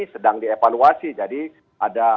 sedang dievaluasi jadi ada